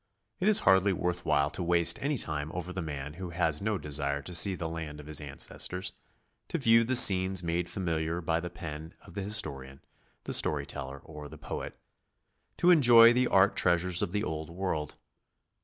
It is hardly worth while to waste any time over the man who has no desire to see the land of his ancestors, to view the scenes made familiar by the pen of the historian, the story teller, or the poet, to enjoy the art treasures of the Old World.